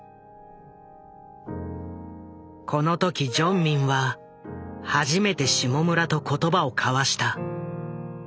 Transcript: この時ジョンミンは初めて下村と言葉を交わした。